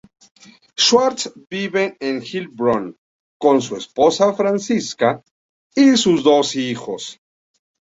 Schwarz vive en Heilbronn, con su esposa Franziska y sus dos hijos.